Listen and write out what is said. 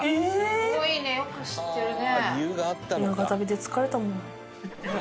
すごいねよく知ってるね。